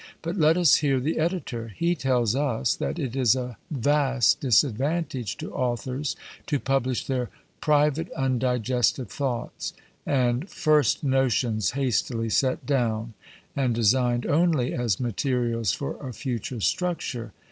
But let us hear the editor. He tells us, that "It is a vast disadvantage to authors to publish their private undigested thoughts, and first notions hastily set down, and designed only as materials for a future structure."